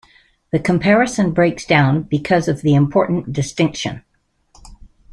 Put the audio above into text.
The comparison breaks down because of the important distinction.